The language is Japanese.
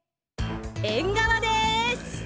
縁側です。